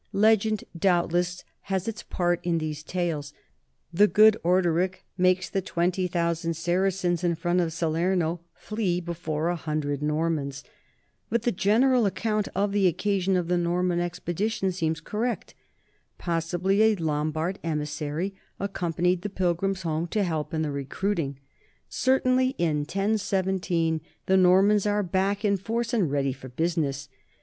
Legend doubtless has its part in these tales, the good Orderic makes the twenty thousand Saracens in front of Salerno flee before a hundred Normans ! but the general account of the occasion of the Norman expeditions seems correct. Possibly a Lombard emis sary accompanied the pilgrims home to help in the re cruiting; certainly in 1017 the Normans are back in force and ready for business.